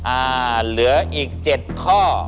เหลืออีก๗ข้อ